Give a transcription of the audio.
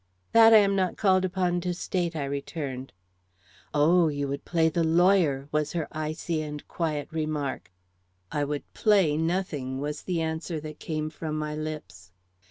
"That I am not called upon to state," I returned. "Oh, you would play the lawyer!" was her icy and quiet remark. "I would play nothing," was the answer that came from my lips.